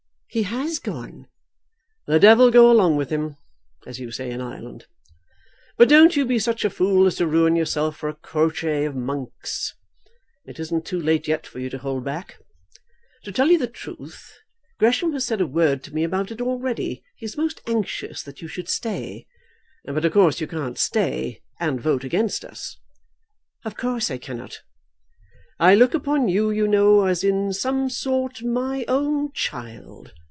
"He has gone." "The devil go along with him, as you say in Ireland. But don't you be such a fool as to ruin yourself for a crotchet of Monk's. It isn't too late yet for you to hold back. To tell you the truth, Gresham has said a word to me about it already. He is most anxious that you should stay, but of course you can't stay and vote against us." "Of course I cannot." "I look upon you, you know, as in some sort my own child.